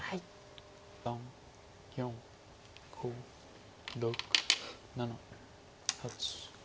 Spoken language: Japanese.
３４５６７８。